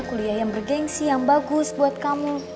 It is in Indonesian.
kuliah yang bergensi yang bagus buat kamu